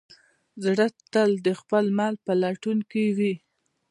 زړه تل د خپل مل په لټون کې وي.